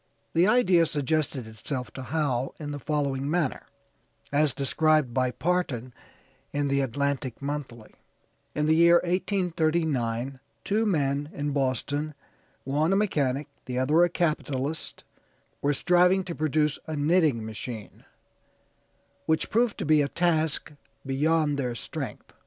The idea suggested itself to Howe in the following manner, as described by Parton in the Atlantic Monthly: "In the year 1839 two men in Boston, one a mechanic, the other a capitalist, were striving to produce a knitting machine, which proved to be a task beyond their strength.